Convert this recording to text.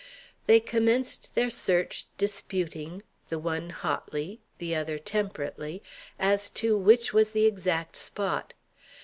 They commenced their search, disputing, the one hotly, the other temperately, as to which was the exact spot.